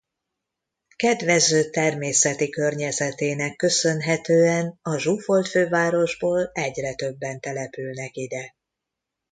Kedvező természeti környezetének köszönhetően a zsúfolt fővárosból egyre többen települnek ide.